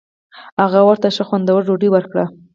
هغه ورته ښه خوندوره ډوډۍ ورکړه.